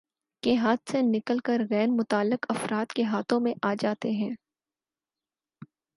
کے ہاتھ سے نکل کر غیر متعلق افراد کے ہاتھوں میں آجاتے ہیں